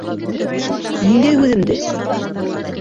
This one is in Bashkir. Ниндәй һүҙемде?